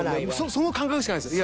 その感覚しかないんですよ。